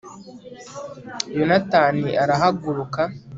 yonatani arahaguruka